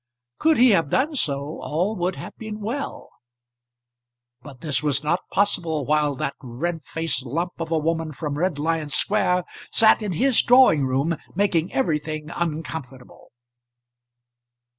Could he have done so, all would have been well; but this was not possible while that red faced lump of a woman from Red Lion Square sat in his drawing room, making everything uncomfortable.